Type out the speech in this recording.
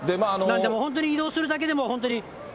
でも本当に移動するだけでも本当に。